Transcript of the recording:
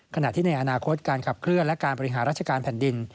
ขณะที่ในอนาคตการขับเคลื่อนและการบริหารราชการแผ่นดิน